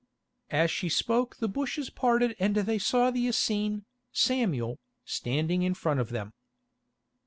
As she spoke the bushes parted and they saw the Essene, Samuel, standing in front of them.